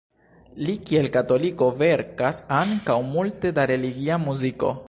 Li kiel katoliko verkas ankaŭ multe da religia muziko.